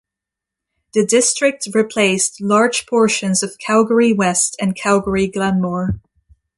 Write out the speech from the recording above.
The district replaced large portions of Calgary West and Calgary Glenmore.